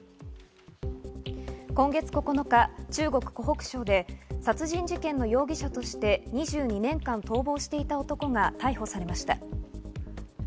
今月９日、中国・湖北省で殺人事件の容疑者として２２年間逃亡していた男が逮捕されました。